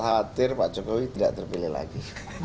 hatir pak jokowi tidak terpilih lagi